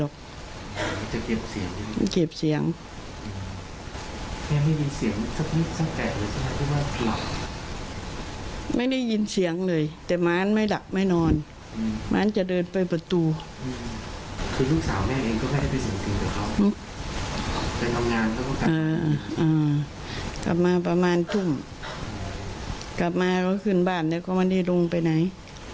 กลับมาประมาณครึ่งกลับมาก็ขึ้นบ้านแล้วก็ไม่ได้ลงไปไหน